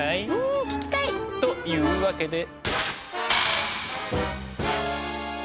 ん聞きたい！というわけで。